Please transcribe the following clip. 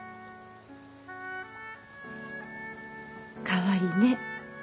かわいいね。